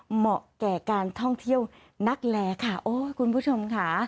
เหมาะแก่การท่องเที่ยวนักแลค่ะโอ้ยคุณผู้ชมค่ะ